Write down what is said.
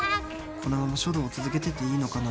このまま書道を続けてていいのかな。